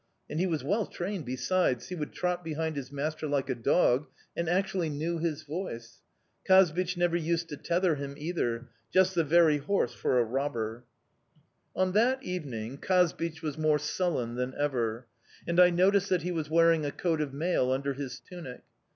And he was well trained besides he would trot behind his master like a dog, and actually knew his voice! Kazbich never used to tether him either just the very horse for a robber!... "On that evening Kazbich was more sullen than ever, and I noticed that he was wearing a coat of mail under his tunic.